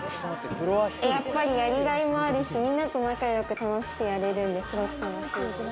やっぱり、やりがいもあるし、みんなと仲良く楽しくやれるんで、すごく楽しいです。